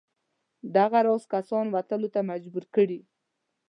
دغه راز کسان وتلو ته مجبور کړي.